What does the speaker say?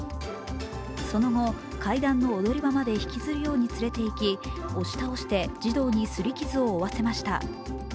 その後、階段の踊り場まで引きずるように連れていき押し倒して児童にすり傷を負わせました。